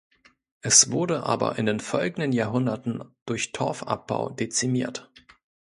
Es wurde aber in den folgenden Jahrhunderten durch Torfabbau dezimiert.